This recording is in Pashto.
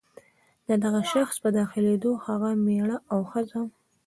د دغه شخص په داخلېدو هغه مېړه او ښځه.